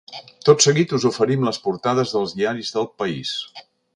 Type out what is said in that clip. Tot seguit us oferim les portades dels diaris del país.